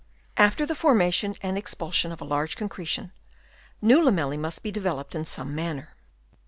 After the formation and expulsion of a large concretion, new lamella? must be developed in some manner.